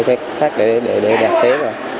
xe khác để đạt thế vào